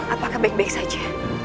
apakah baik baik saja